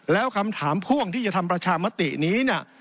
แล้วคำถามพ่วงที่จะทำประชามตินี้เนี่ย